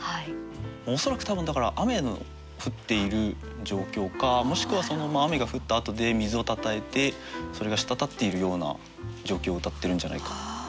恐らく多分だから雨の降っている状況かもしくは雨が降ったあとで水をたたえてそれが滴っているような状況をうたってるんじゃないか。